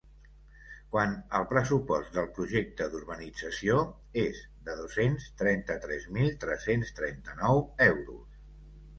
Quant al pressupost del projecte d’urbanització és de dos-cents trenta-tres mil tres-cents trenta-nou euros.